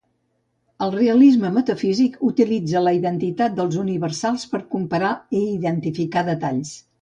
El realisme metafísic utilitza la identitat dels "universals" per comparar i identificar detalls.